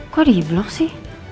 kok di blok sih